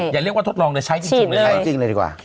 อย่าเรียกว่าทดลองแต่ใช้จริงเลย